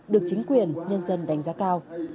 được chính quyền nhân dân đánh giá cao